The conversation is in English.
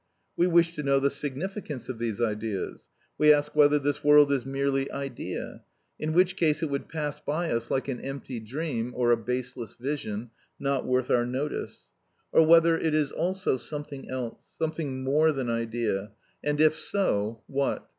We wish to know the significance of these ideas; we ask whether this world is merely idea; in which case it would pass by us like an empty dream or a baseless vision, not worth our notice; or whether it is also something else, something more than idea, and if so, what.